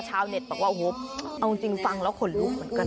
เน็ตบอกว่าโอ้โหเอาจริงฟังแล้วขนลุกเหมือนกัน